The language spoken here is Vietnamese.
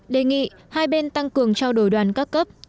đề nghị hai bên tăng cường trao đổi đoàn các cấp